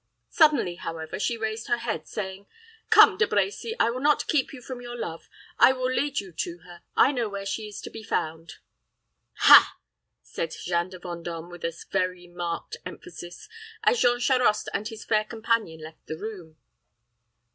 Suddenly, however, she raised her head, saying, "Come, De Brecy, I will not keep you from your love. I will lead you to her. I know where she is to be found." "Ha!" said Jeanne de Vendôme, with a very marked emphasis, as Jean Charost and his fair companion left the room.